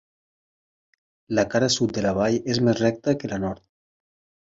La cara sud de la vall és més recta que la nord.